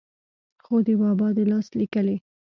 خو دَبابا دَلاس ليکلې